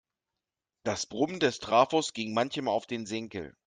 Das Brummen des Trafos ging manchem auf den Senkel.